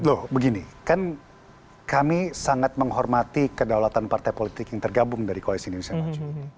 loh begini kan kami sangat menghormati kedaulatan partai politik yang tergabung dari koalisi indonesia maju